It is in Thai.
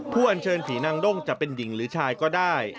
อันเชิญผีนางด้งจะเป็นหญิงหรือชายก็ได้